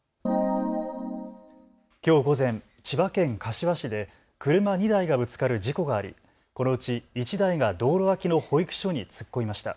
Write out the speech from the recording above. きょう午前、千葉県柏市で車２台がぶつかる事故がありこのうち１台が道路脇の保育所に突っ込みました。